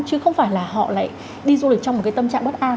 chứ không phải là họ lại đi du lịch trong một cái tâm trạng bất an